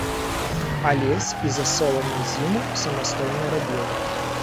Алесь і засолы на зіму самастойна рабіў.